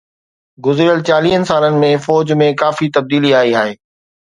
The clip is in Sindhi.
گذريل چاليهه سالن ۾ فوج ۾ ڪافي تبديلي آئي آهي